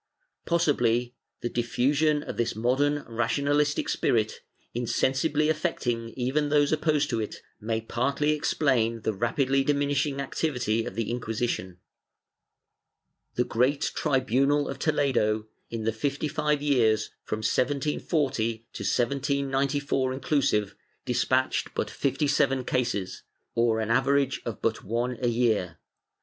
Possibly the diffusion of this modern rationalistic spirit, insen sibly affecting even those opposed to it, may partly explain the rapidly diminishing activity of the Inquisition. The great tribu nal of Toledo, in the fifty five years, from 1740 to 1794 inclusive, despatched but fifty seven cases, or an average of but one a ycar.